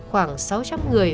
khoảng sáu trăm linh người